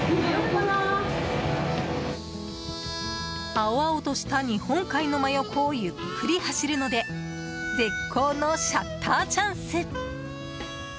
青々とした日本海の真横をゆっくり走るので絶好のシャッターチャンス。